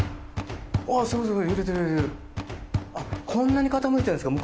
こんなに傾いたんですか。